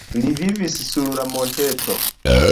Li vivas sur la monteto.